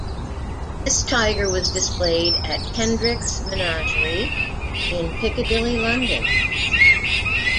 This tiger was displayed at Kendrick's menagerie in Piccadilly, London.